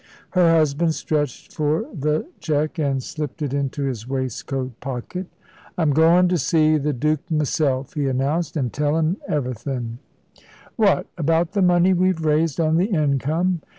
Her husband stretched for the cheque and slipped it into his waistcoat pocket. "I'm goin' to see the Duke m'self," he announced, "an' tell him everythin'." "What, about the money we've raised on the income?"